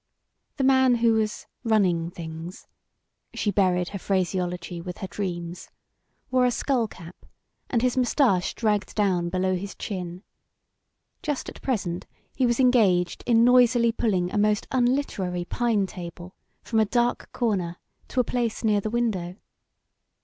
The man who was "running things" she buried her phraseology with her dreams wore a skull cap, and his moustache dragged down below his chin. Just at present he was engaged in noisily pulling a most unliterary pine table from a dark corner to a place near the window.